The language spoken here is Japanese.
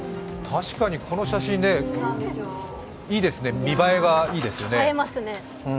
確かにこの写真いいですね、見栄えがいいですよね。